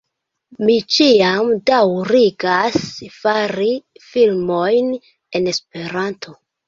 Mi ĉiam daŭrigas fari filmojn en Esperanto